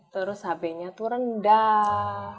terus hb nya itu rendah